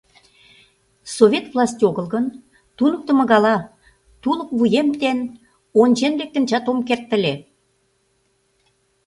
Совет власть огыл гын, туныктымо гала, тулык вуем дене ончен лектынжат ом керт ыле.